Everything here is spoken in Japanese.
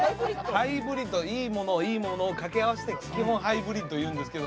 ハイブリッド？いいものといいものを掛け合わせてハイブリッドいうんですけど。